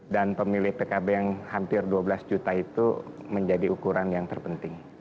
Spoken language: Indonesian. dan pemilik pkb yang hampir dua belas juta itu menjadi ukuran yang terpenting